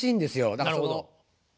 なるほど。